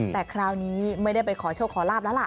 แต่คราวนี้ไม่ได้ไปขอโชคขอลาบแล้วล่ะ